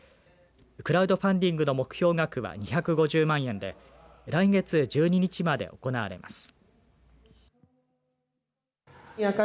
クラウドファンディングの目標額は２５０万円で来月１２日まで行われます。